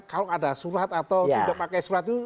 kalau ada surat atau tidak pakai surat itu